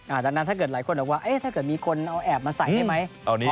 ดังนั้นถ้าเกิดหลายคนบอกว่าเอ๊ะถ้าเกิดมีคนเอาแอบมาใส่ได้ไหม